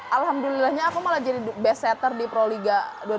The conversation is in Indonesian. alhamdulillahnya aku malah jadi best setter di proliga dua ribu dua puluh